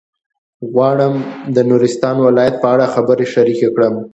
غواړم د نورستان ولایت په اړه خبرې شریکې کړم.